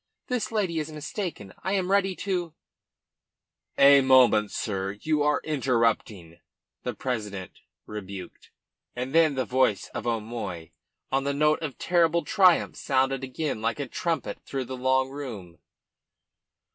"This lady is mistaken, I am ready to " "A moment, sir. You are interrupting," the president rebuked. And then the voice of O'Moy on the note of terrible triumph sounded again like a trumpet through the long room.